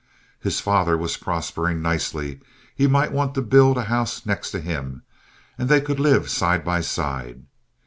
His father was prospering nicely. He might want to build a house next to him, and they could live side by side.